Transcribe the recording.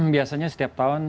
biasanya setiap tahun